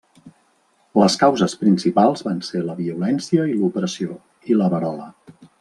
Les causes principals van ser la violència i l'opressió, i la verola.